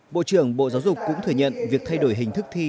bộ trưởng bộ giáo dục cũng thừa nhận việc thay đổi hình thức thi